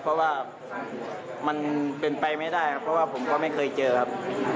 เพราะว่ามันเป็นไปไม่ได้ครับเพราะว่าผมก็ไม่เคยเจอครับ